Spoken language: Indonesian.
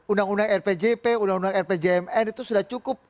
undang undang rpjp undang undang rpjmn itu sudah cukup